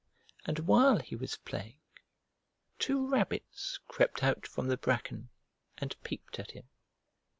And while he was playing, two rabbits crept out from the bracken and peeped at him.